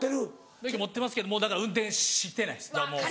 免許持ってますけどもうだから運転してないです。